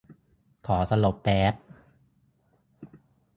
ขอสลบแป๊บ